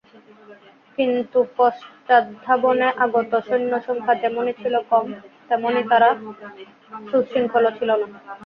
কিন্তু পশ্চাদ্ধাবনে আগত সৈন্যসংখ্যা যেমনি ছিল কম, তেমনি তারা সুশৃঙ্খলও ছিল না।